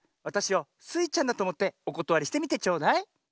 わたしをスイちゃんだとおもっておことわりしてみてちょうだい。